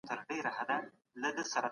په دې نظام کي اخلاقي ارزښتونه نسته.